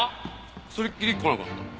それっきり来なかった。